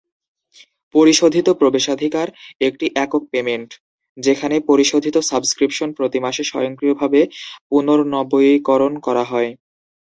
পরিশোধিত প্রবেশাধিকার একটি একক পেমেন্ট, যেখানে পরিশোধিত সাবস্ক্রিপশন প্রতি মাসে স্বয়ংক্রিয়ভাবে পুনর্নবীকরণ করা হয়।